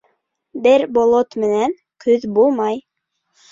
Бер болот менән көҙ булмай.